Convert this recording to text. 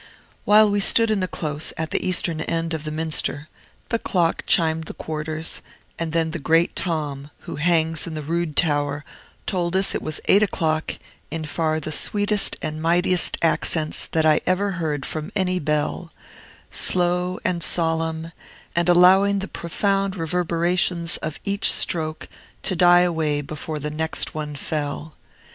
While we stood in the close, at the eastern end of the Minster, the clock chimed the quarters; and then Great Tom, who hangs in the Rood Tower, told us it was eight o'clock, in far the sweetest and mightiest accents that I ever heard from any bell, slow, and solemn, and allowing the profound reverberations of each stroke to die away before the next one fell.